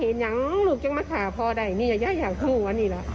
น้องลูกจังไม่ขาพอได้นี่ย่าย่ายากข้างหัวนี่แหละ